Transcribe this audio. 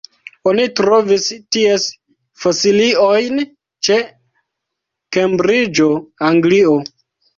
Oni trovis ties fosiliojn ĉe Kembriĝo, Anglio.